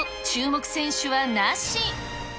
注目選手はなし。